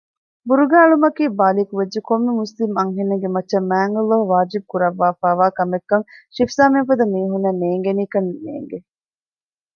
ބުރުގާ އެޅުމަކީ ބާލިޣުވެއްޖެ ކޮންމެ މުސްލިމް އަންހެނެއްގެ މައްޗަށް މާތްﷲ ވާޖިބު ކުރައްވާފައިވާ ކަމެއްކަން ޝިފްޒާމެންފަދަ މީހުންނަށް ނޭނގެނީކަންނޭނގެ